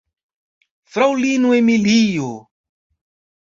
Fraŭlino Emilio!